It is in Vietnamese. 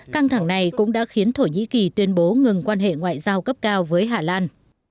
căng thẳng này cũng đã khiến thổ nhĩ kỳ tuyên bố ngừng quan hệ ngoại giao cấp cao với hà lan